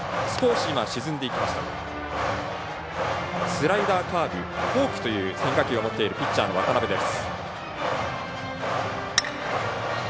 スライダー、カーブフォークという変化球を持っているピッチャーの渡邊です。